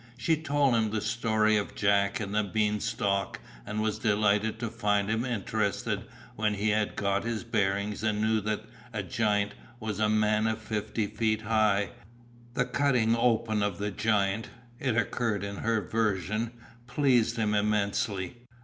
She told him the story of Jack and the Bean Stalk and was delighted to find him interested when he had got his bearings and knew that a "giant" was a man fifty feet high; the cutting open of the giant it occurred in her version pleased him immensely.